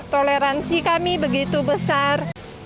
toleransi kami begitu besar